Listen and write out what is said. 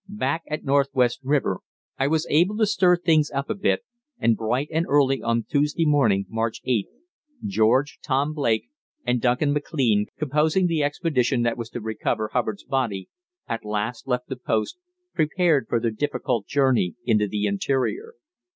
Back at Northwest River, I was able to stir things up a bit, and bright and early on Tuesday morning, March 8th, George, Tom Blake, and Duncan MacLean, composing the expedition that was to recover Hubbard's body, at last left the post, prepared for their difficult journey into the interior.